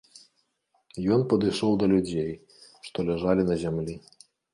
Ён падышоў да людзей, што ляжалі на зямлі.